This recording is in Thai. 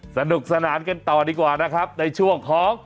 สนุกสนานกันต่อดีกว่านะครับในช่วงของ